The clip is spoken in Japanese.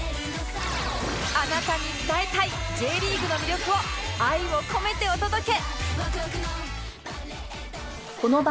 あなたに伝えたい Ｊ リーグの魅力を愛を込めてお届け！